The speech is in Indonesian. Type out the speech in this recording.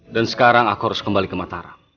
sekarang aku harus kembali ke mataram